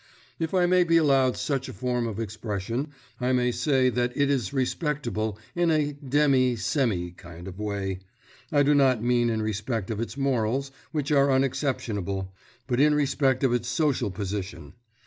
If I may be allowed such a form of expression I may say that it is respectable in a demi semi kind of way. I do not mean in respect of its morals, which are unexceptionable, but in respect of its social position.